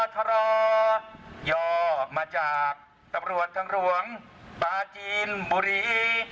ขากตำรวจทั้งหลวงปราจีนบุรี